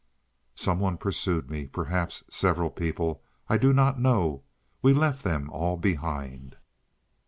Some one pursued me, perhaps several people—I do not know, we left them all behind.